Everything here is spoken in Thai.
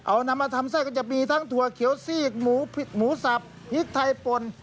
เอานำมาทำไส้ก็จะมีทั้งถั่วเขียวซีกหมูสับพริกไทยป่น